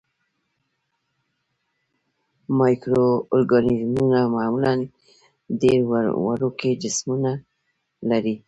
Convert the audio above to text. مایکرو ارګانیزمونه معمولاً ډېر وړوکی جسامت لري.